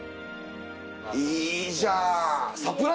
いいじゃん！